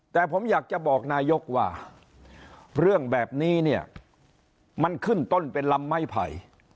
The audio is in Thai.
แต่ผมอยากจะบอกนายกว่าเรื่องแบบนี้เนี่ยมันขึ้นต้นเป็นลำไม้ไผ่